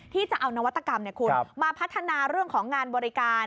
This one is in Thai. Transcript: ที่จะเอานวัตกรรมมาพัฒนาเรื่องของงานบริการ